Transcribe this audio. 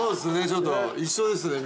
ちょっと一緒ですね